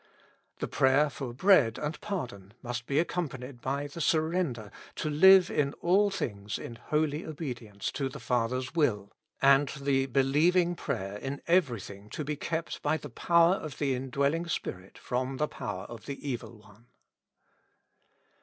The prayer for bread and pardon must be accompanied by the sur render to live in all things in holy obedience to the Father's will, and the believing prayer in everything to be kept by the power of the indwelling Spirit from the power of the evil one.